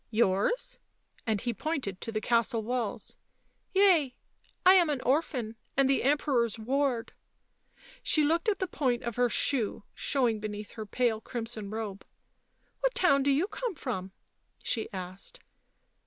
" Yours?" and he pointed to the castle walls. " Yea. I am an orphan, and the Emperor's ward." She looked at the point of her shoe showing beneath her pale crimson robe. u What town do you come from ?" she asked.